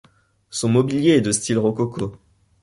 Son mobilier est de style rococo.